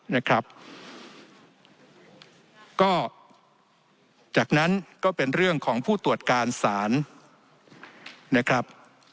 นะครับก็จากนั้นก็เป็นเรื่องของผู้ตรวจการศาลนะครับ